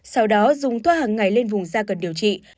sau đó dùng toa hàng ngày lên vùng da cần điều trị